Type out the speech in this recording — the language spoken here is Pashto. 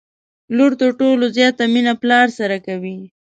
لور تر ټولو زياته مينه پلار سره کوي